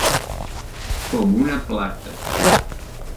Com una plata.